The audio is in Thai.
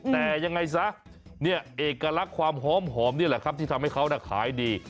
แต่ยังไงซะเนี่ยเอกลักษณ์ความหอมนี่แหละครับที่ทำให้เขาขายดี